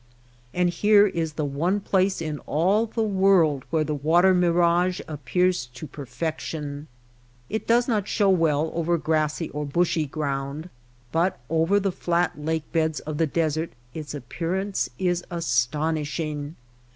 And here is the one place in all the world where the water mirage appears to per fection. It does not show well over grassy or bushy ground, but over the flat lake beds of the desert its appearance is astonishing.